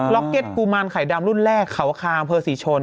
็อกเก็ตกุมารไข่ดำรุ่นแรกเขาคาอำเภอศรีชน